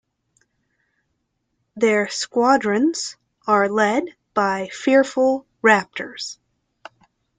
Their squadrons are led by the fearful Raptors.